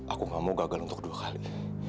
aku gak mau gagal untuk dua kali